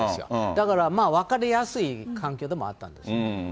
だからまあ、分かりやすい環境でもあったんですね。